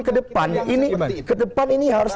kedepan ini harus